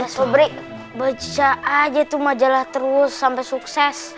slobri baca aja tuh majalah terus sampai sukses